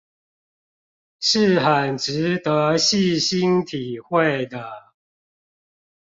是很值得細心體會的